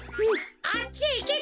あっちへいけって！